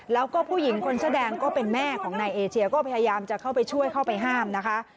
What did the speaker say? แล้วก็ผู้หญิงคนเสื้อแดงก็เป็นแม่ของนายเอเชียก็พยายามจะเข้าไปช่วยเข้าไปห้ามนะคะ